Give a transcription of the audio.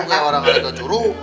gak orang orang kejuru